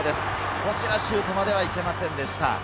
こちら、シュートまではいけませんでした。